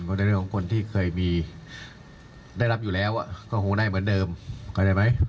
เพราะในเรื่องของคนที่เคยมีได้รับอยู่แล้วก็คงได้เหมือนเดิมเข้าใจไหม